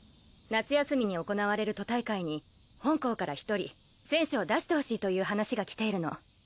夏休みに行われる都大会に本校から一人選手を出してほしいという話がきているの。